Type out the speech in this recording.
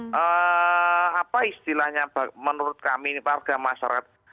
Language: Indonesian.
mengambil apa istilahnya menurut kami warga masyarakat